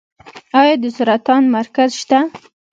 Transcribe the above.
آیا د سرطان مرکز شته؟